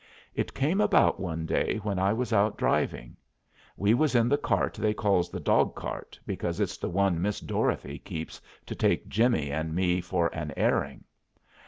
It came about one day when we was out driving. We was in the cart they calls the dog cart because it's the one Miss Dorothy keeps to take Jimmy and me for an airing.